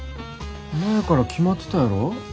前から決まってたやろ？